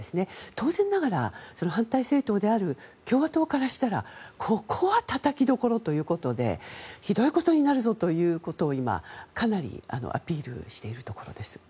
当然ながら反対政党の共和党からしたらここはたたきどころということでひどいことになるぞということを今、かなりアピールしているところです。